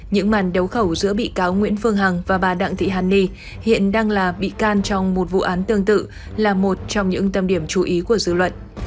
những màn đấu khẩu giữa bị cáo nguyễn phương hằng và bà đặng thị hàn ni hiện đang là bị can trong một vụ án tương tự là một trong những tâm điểm chú ý của dư luận